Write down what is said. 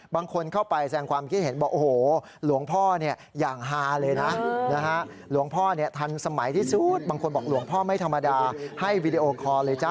บางคนเข้าไปแสงความคิดเห็นบอก